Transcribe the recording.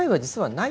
ない？